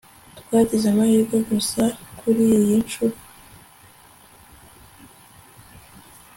Twagize amahirwe gusa kuriyi nshuro